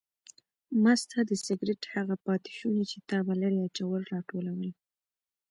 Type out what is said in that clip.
ما ستا د سګرټ هغه پاتې شوني چې تا به لرې اچول راټولول.